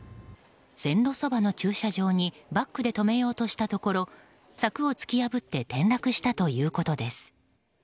線路そばの駐車場にバックで止めようとしたところ柵を突き破って転落したということです。